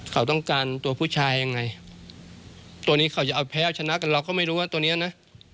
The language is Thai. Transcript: เขาต้องการตัวผู้ชายยังไงตัวนี้เขาจะเอาแพ้เอาชนะกันเราก็ไม่รู้ว่าตัวเนี้ยนะ